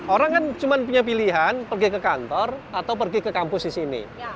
orang kan cuma punya pilihan pergi ke kantor atau pergi ke kampus di sini